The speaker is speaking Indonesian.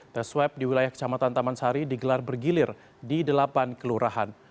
tes swab di wilayah kecamatan taman sari digelar bergilir di delapan kelurahan